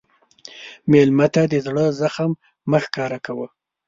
مېلمه ته د زړه زخم مه ښکاره کوه.